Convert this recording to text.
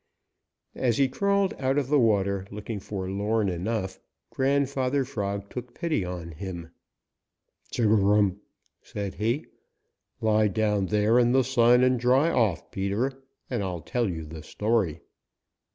As he crawled out of the water, looking forlorn enough, Grandfather Frog took pity on him. "Chug a rum!" said he. "Lie down there in the sun and dry off, Peter, and I'll tell you the story."